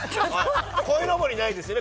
こいのぼりないですよね？